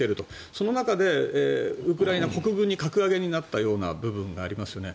その中で、ウクライナ国軍に格上げになった部分がありますよね。